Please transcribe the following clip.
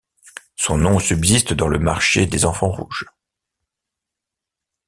Son nom subsiste dans le marché des Enfants-Rouges.